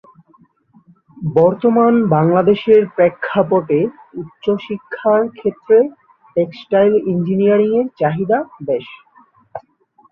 বর্তমান বাংলাদেশের প্রেক্ষাপটে উচ্চশিক্ষার ক্ষেত্রে টেক্সটাইল ইঞ্জিনিয়ারিংয়ের চাহিদা বেশ।